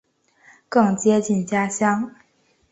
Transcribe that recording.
更接近家乡